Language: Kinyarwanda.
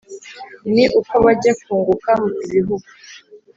ni uko bajya kwunguka ibihugu